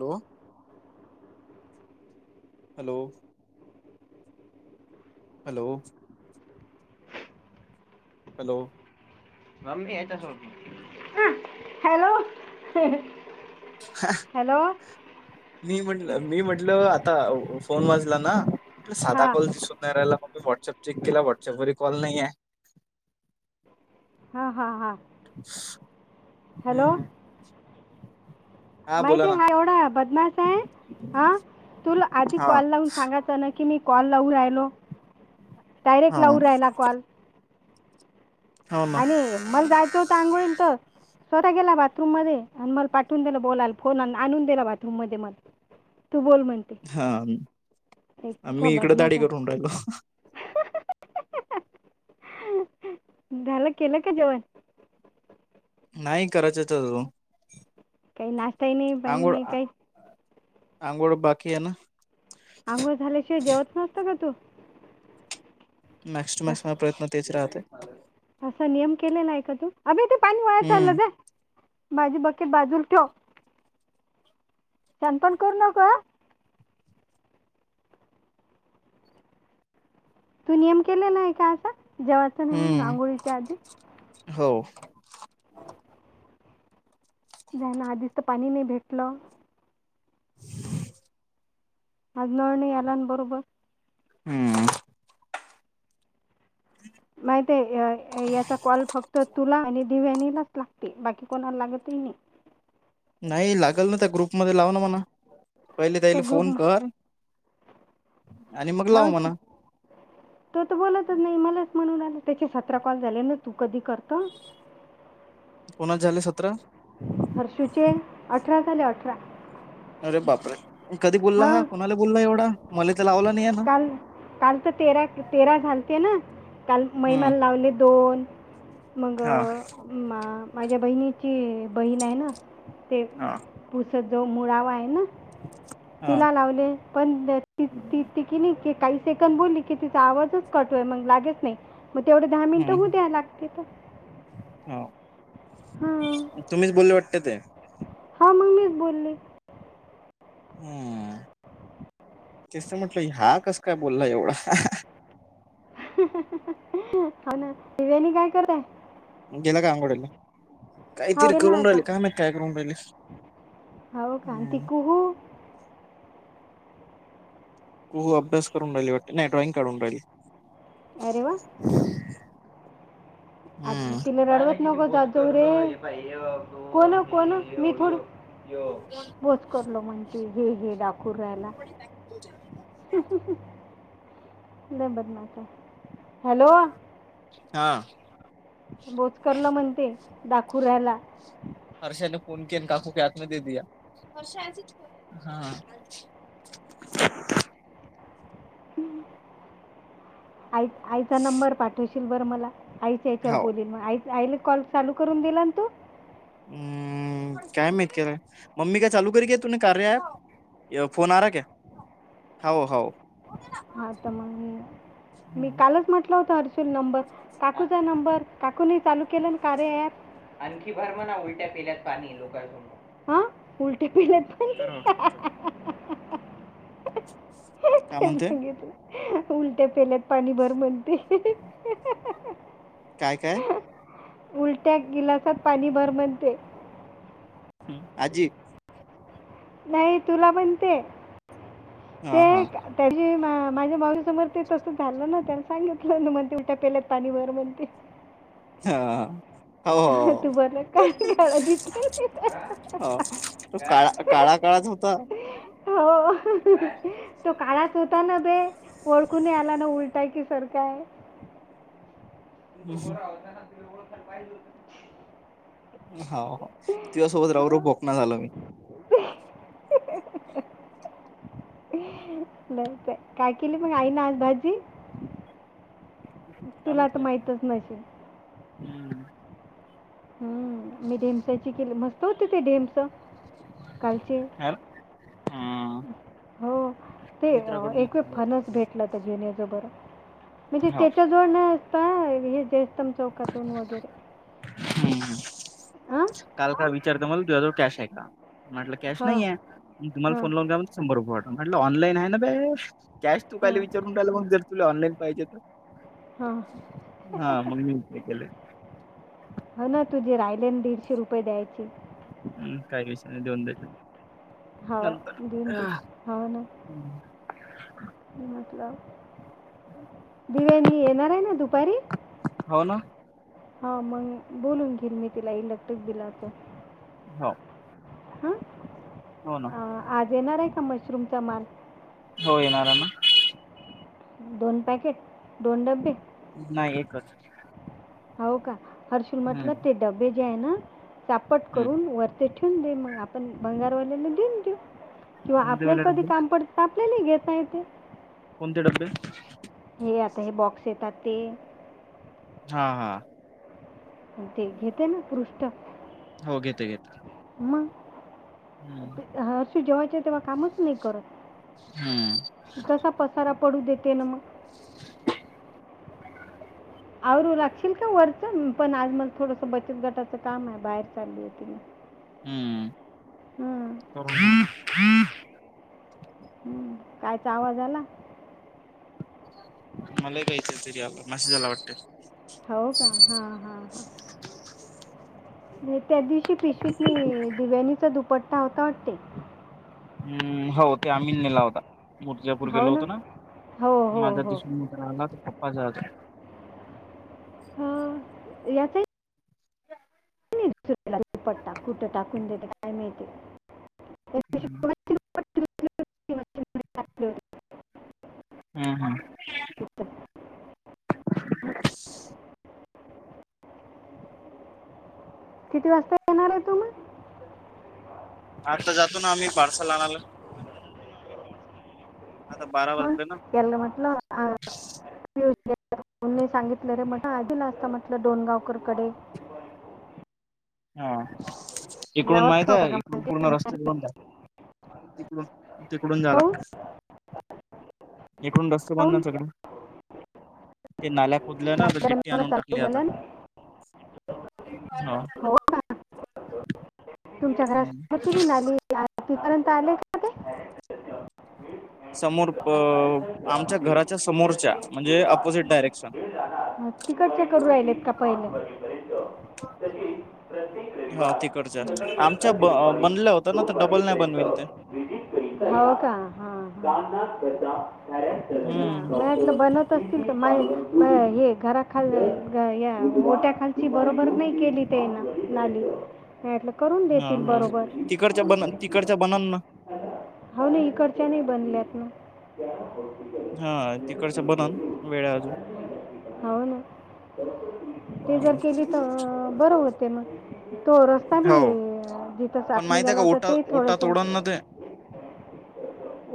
बघु. Hello. Hello. Hello. [unintelligible] हं. Hello. हे, हॅलो मी म्हटल, मी म्हटलं आता फोन वाजला ना म्हटलं साधा हां कॉल दिसून नाही राहिला मग मी व्हॉटसअप चेक केला व्हॉट्सअपवर कॉल नाहीआयं. हा. हा. हा. हम्म माहिती हा एवढा बदमास आहे हा तुला आधी हा कॉल लावून सांगा ना की मी कॉल लावून राहिलो डायरेक्ट हा लावू राहिला कॉल हो ना आणि मला जायचं होतं आंघोळ तर स्वतः गेला बाथरूम मध्ये आणि मला पाठून दिलं बोलाला फोन आणून दिला बाथरूम मध्ये मग तू बोल म्हण हा. मी इकडे बदमाश दाडी करून राहिलो. झाल. केलं का जेवण? नाही. करायचच अजून. काही नाश्ता ही नाही. पाणि नाही. काही आंंगुळ बाकी हे ना. अंघोळ झाल्याशिवाय जेवत नसतो का तू? मॅक्स टू मॅक्स म असं प्रयत्न तेच राहते असा नियम केलेला आहे का तू अभे ते पाणी वाया हम्म चाललं द माझी बकेट बाजूला ठेव शानपण करू नका का तू नियम केलेला आहे का असा जेवायचा नाही म्हणून हम्म आंघोळीच्या आधी हो जना आधीच तर पाणी नाही भेटलं अज नोड न याला ना बरोबर हम्म माहित आहे याचा कॉल फक्त तुला आणि दिव्यानीलाच ते बाकी कोणाला लागत ही नाही नाही लागल ना त्या ग्रुप मग लाव ना मणा पहिले त्या त्याला ग्रुप फोन कर आणि मग लाव हो ते- म्हणा तर तो बोलतच नाही मलाच म्हणून आलं त्याचे सतरा कॉल झाले ना तू कधी करत कोणाचेः झाले सतरा हरषुचे अठरा झाले अठरा अरे बापरे कधी बोलला हा हां कुणाला बोलला एवढा मला तर लावला नाही ना काल तर तेरा तेरा झालते ना काल हम्म महिमाला लावले दोन मग हा माझ्या बहिणीची बहीण आहे ना ते हा पुस जो मुळावा आहे ना हा तिला लावले पण त ती हम्म ती कि नाही काही सेकड बोलली की तिचा आवाजच कट होयय मग लागेच नाही मग तेवढे दहा मिनिटं होऊ द्याय लागते ह हां तुम्हीच बोलले वाटत ते हां मग मीच बोल र हम्म तेच च म्हटलं हा कस काय बोलला एवढा हो ना दिव्यानी काय करताय गेला का आंघोळीला हो काहीतरी गेला करून आता राहिले का म काय करून राहिले हो का ती हम्म. खुप खू अभ्यास करून राहिली वाटत नाही डॉइंग काढून राहिली अरे वा [inaudible] [unintelligible] आ हम्म तिला रडवत नको जावु रे कोण कोण मी थोड बोच करलो म्हणती हे हे डाकूर राहायला नाही बदनात हॅलो हा बोजकरलो म्हणते दाखूऱयला हर्षाने फोन केलता काकू के हात म दे द हष हा हम्म [unintelligible] आई आईचा नंबर पाठवशील बरं मला आईच्या याच्यावर हाव. बोलल मग आ आईले कॉल चालू करून दिला ना तू. हम. काय माित मम्मी काय चालू करी घ तुही कार्य फोन आरा का. होव हो. हा तर मग मी हम्म कालच म्हटलं होत अर् नंबर काकूचा नंबर काकूे चालू केला ना कारे ऍप आणखी भर म्हणा उलट्या पिल्यात पाणी लोकजून उलट्या पिल्यात च हॉटपॉटचाल काय ते म्हणत? उलट्या पेल्यात पाणी भर म्हणते. काय काय? उलट्या गिलासात पाणी भर म्हनते. हम् आजी. नाही तुला म्हणते. हा हा ते. त्याची मा माझ्या माऊसमोर ते तसं झालं ना त्याने सांगितलं ना मग ते उठ्या पेल्यात पाणी भर म्हणते. हा. हो तू हो बरं काळ काळा दिसला नाही. हो त काळा काळा काळात होत‌ ब [inaudible] हो तो काळाच होता ना बे. ओळखून आला ना उलटाय कि सारखंय. हम् हम. गळ पाहिज होत. हो तझसोबत राव र भोकणा झालं मी. [inaudible] [unintelligible] नाही काय केली मग आई ना आज भाजी. काम तुला तर माहित? माहीतच नसेल हम्म. हम्म मी ढेमसाची केली मस्त होते ते ढेमस? यार हम. हो ते एक घेतलं होतं फनच ते. भेटला तर घेऊन याज बर. म्हणजे हो त्याच्याजवळ नाही असता हे जेस्तम चौकातून वगैरे. हम् हां काल काय विचारत मला द हज कॅश आहे का? म्हटलं कॅश हां नाही आहे तुम्हाला हां फोन लावून घ म्हण शंभर रुपयेट म्हटलं ऑनलाईन आहे ना बा. कॅश तू का हां विचारून टहिला मग जर तुला ऑनलाईन पाहिजे तर. हां हा मग मी ते केले. ह ना तुझे राहिले दीडशे रुपये द्यायचे. हम् काही विषय नाही दोन द्याचा. हो नंतर देऊन दे ह्. [unintelligible] [inaudible] मतलब दिवेनी येणार आहे ना दुपारी. हो ना. हा मग बोलून घेन मी तिला इलेक्ट्रिक दिलाच. हो. हम. हो ना. आज येणार आहे का मशरूमचा माल. हो येणार आहे ना. दोन पॅकेट दोन डब्बे. नाही एकच. हो का हर्षुल हम्म म्हटलं ते डबे जे आहे ना साचापट हम्म करून वर. ते ठेवून दे मग आपण बंगारवाल्याला देऊन देऊ किंवा कोणते वाले आपल्याला कधी डब्बे काम पडत. आपल्याली घेत य ते. कोणते डब्बे. हे आता हे बॉक्स येतात ते हा हा. ते घेते ना पृष्ठ. हो घेत घेत. मग. [unintelligible] हर्षी जेव्हाच्या तेव्हा कामच नाही करत. हम्म. कसा पसारा पडू देते ना मग. [unintelligible] आवरू लागशील का वरचं पण आज मला थोडस बचत गटाचं काम आहे बाहेर चालली आहे त [unintelligible] हम्म. हम्म कायचा आवाज आला. मला कायचं तरी याला मेसेज जाला वाटते. हो का हा हा हा. त्या दिवशी पिशवीत नाही दिव्यानीचा दुपट्टा होता वाटते. हम्म हो ते आम्ही नेला होता मुर्जापूर गेलो होतो ना हो हो माझ्या हो दिसून [unintelligible] हा यात दुपट्टा कुठे टाकून देते काय काय माहिती. [unintelligible] दोघांचे दुपट्टे धुतले होते, मशीनमध्ये टाकले होते हम्म हम्म. [unintelligible] किती वाजता येणार आहे तुम आता जातो ना आम्ही पार्साल आणयला. आता बारा ह वाजले ना यांना म्हटलं आता ने सांगितलं रे म्ह आधीला असता म्हटलं डोनगावकर कडे हा इकडून माहित लावत होता आहे का इकडून म्हणते मी पूर्ण म्हटलं, रस्ता [unintelligible] तिकडून जा काहून लागतं. इकडून रस्त बंद काहून सकड ते नाल्या पुदल ना नाटक गिट्टी बनवणं आणून चालू टाकली आता झालं ना हो. तुमच्या घरात सोरची बिन आली तिपर्यंत आलेय का ते. [unintelligible] समोर आमच्या घराच्या समोरच्या म्हणजे अपोजिट डायरेक्शन. म तिकडच्या करू राहिलेत का पहिले. हो रविवार तिकडच्या सकाळी अकरा आमच्या ते ब दुपारी बनल्या होत ना दोन तर डबल नाही वाजेपर्यंत बनवेल ते. हो का हा हा हा. मला हम्म. वाटलं बनव [unintelligible] बरोबर नाही केली त्यान नाली करून हा देतील हा बरोबर तिकडच्या बनन तिकडच्या बनन ना. हो ना इकडच्या नाही बनल्यात ना. हा तिकडच्या बनन वेळ आहे अजून. होव ना. ते जर केली तर बरं होते मग तेवढं. ताी हो जिथं पण साप माहित आहे निघाला का होत ओटा ते ओटा थोडस तोडन ना ते.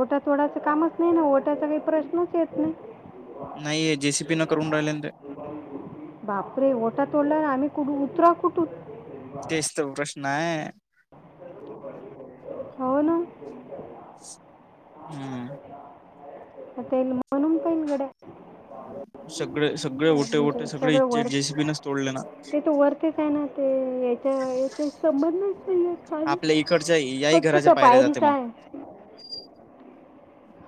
ओटा तोडायचं काम नाही ना ओट्याचा प्रश्नच येत नाही. नाही जे सी पी न करून राहिले ते. बापरे ओठा तोडला आम्ही कुठ उतरा कुठनं. तेच तर प्रश्न आहे. हो ना. हम्म. आता येल म्हणून पहिल गड्या. सगळे सगळे ओटे ओटे म्हणजे सगळे सगळं इच्छे वर जेसीबीनच तोडले ना ते तू वर तेच आहे ना ते हच्या याचे संबंधच [unintelligible] आणि आपल्या इकडच्या याही फक्त घराच्या त्या पायऱ्या जाते पायरीच मग आहे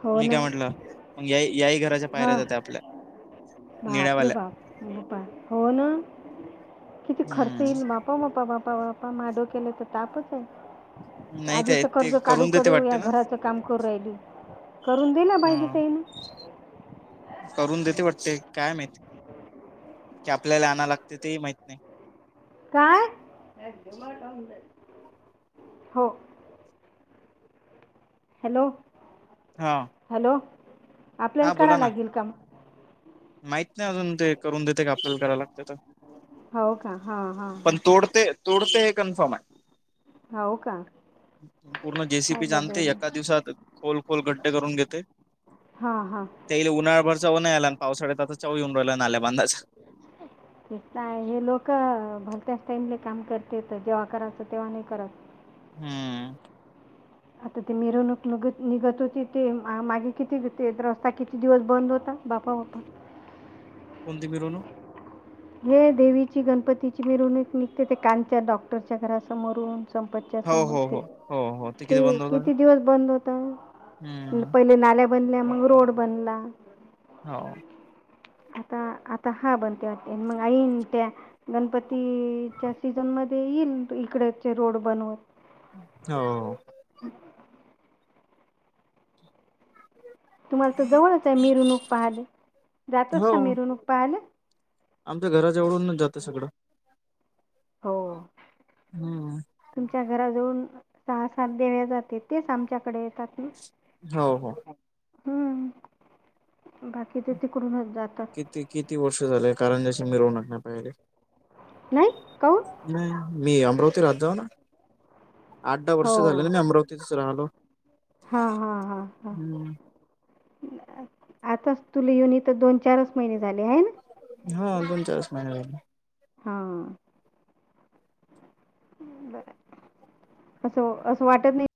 हो मी ना काय म्हटल. मग या याही घराच्या पायऱ्या हां जाते आपल्या बापरे निळ्यावाल्या बाप हो ना? किती खर्च येईल हम्म बाप [unintelligible] नाही आधीच ते ते कर्ज काढू करून काढू देते या वाटते ना घराच काम करू राहिली. करून दिला पाहिजे ह ते ना करून देते वाटते. काय माहित की आपल्याला आणाव लागते? तेही माहित नाही. काय? हो. हॅलो.. हा. हॅलो. आपल्याला हा करा बोला ना लागेल का माहित नाही अजून ते करून देते का आपल्याला कराय लागते. हो का हां हां पण हां तोडते तोडते हे कन्फर्म आहे. हो का संपूर्ण जेसीपी पाहिलं जाणते जाईल एका दिवसात खोल खोल गड्डे करून घेते. हा हा. त्या उन्हाळभर चव नाही आला आणि पासाळत आता चवी उन रावला नाल्या बांधाचा [unintelligible] हे लोक भलत्याच टाईमले काम करतेेत. जेव्हा करायचं तेव्हा नाही करत. हम्म. आता ते मिरवणूक निघत होती ते मागे किती ते रस्ता किती दिवस बंद होता? [unintelligible] कोणती मिरवणुक? हे देवीची, गणपतीची मिरवणूक निघते ते कांच्या डॉक्टरच्या घरासमोरून संपतच्या हो, समोर हो, ते. हो, हो, हो ते बंद होता? किती दिवस बंद होत? हम्म. पहिले नाल्या बनल्या, मग रोड बनला. हो. [unintelligible] गणपतीच्या सीजन मध्ये येईल इकडचे रोड बनवून. हो तुम्हाला तर जवळच आहे मिरवणूक पाहाली जातच ना हो. मिरवणूक पाहालं आमच्या घराच्या एवढून जातं सगळं हो हम्म तुमच्या घराजवन सहा सात देव्या जाते तेच आमच्याकडे येतात हो हो हम्म बाकी ते तिकूनच जात किती किती वर्ष झालेय कारण ज्याशी मिरवूनक नाही पाहिले नाही कोण नाही मी अमरावती राह जाऊ ना आठ दहा वर्ष हो झाले ना मी अमरावतीतच राहिलो हा हां हां हां हम्म. आताच तुला येऊन इ तरं दोन चारच महिने झाले आहे ना हा दोन चाळीस महिने झाले हां ब असं असं वाटत नाही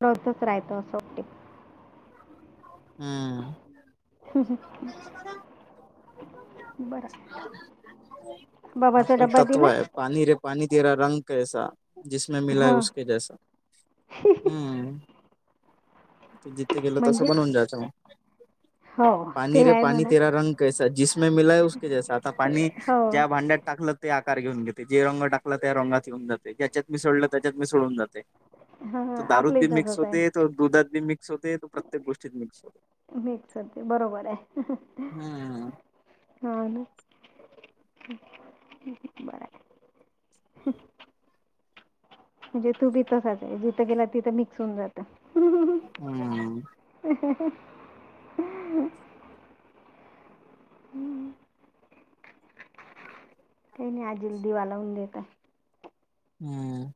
्रोतच राहतो असं वाटते [unintelligible] हम् हम हा. बर बाबाचा आपलं एक ड्बा तत्व दिला आहे पाणी रे पणी तेरा रंग कैसा जिसमे म मिलाय हां उसक जैसा. हम्म ते जिथे गेल तस म्हणजे बनवून जात. [inaudible] हो ते पाणी रे आहे पाणी म्हणा तेरा रंग कैसा जसमे मिलाया उसके जैसा आता पाणी हो ज्या भांड्यात टाकलं ते आकार घेऊन घेते जे रंग टाकला त्या रंगात येऊन जाते ज्याच्यात मिसळलं त्याच्यात मिसळून जाते. हां त हां दारू आपलंही बी मिक्स तसंच होते आहे तो दुधात बी मिक्स होते तो प्रत्येक गोष्टीत मिक्स होतंय. मिक्स होते बरोबर आहे. हा अ. हा ना बर आहे. ह म्हणजे तू बी साच जिथं गेला तिथं मिक्स होऊन जात. हम्म. हं हं हं. हम्म. काही नाही आज [unintelligible] दिवा लावून देत हम्म.